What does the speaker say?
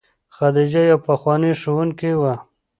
خدیجه یوه پخوانۍ ښوونکې وه.